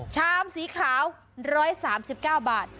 ชามสีขาว๑๓๙บาท